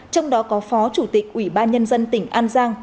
trong đó có phó chủ tịch ủy ban nhân dân tỉnh an giang